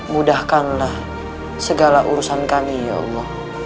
mudahkanlah segala urusan kami ya allah